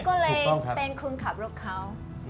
ก็เลยเป็นคุณขับลูกเขา